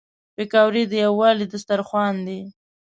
پکورې د یووالي دسترخوان دي